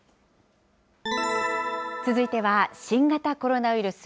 続いては新型コロナウイルス。